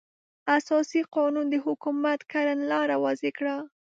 اساسي قانون د حکومت کړنلاره واضح کوي.